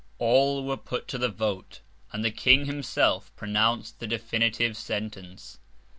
All were put to the Vote, and the King himself pronounc'd the Definitive Sentence.